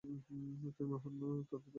তুমি মহান আত্মাদের ব্যাপারে জানো?